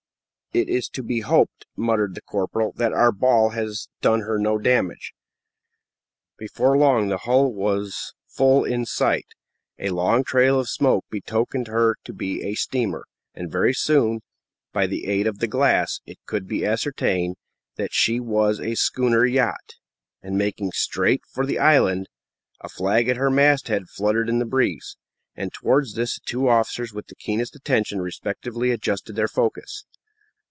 "It is to be hoped," muttered the corporal, "that our ball has done her no damage." Before long the hull was full in sight. A long trail of smoke betokened her to be a steamer; and very soon, by the aid of the glass, it could be ascertained that she was a schooner yacht, and making straight for the island. A flag at her mast head fluttered in the breeze, and towards this the two officers, with the keenest attention, respectively adjusted their focus.